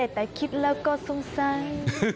แต่คิดแล้วก็สงสัย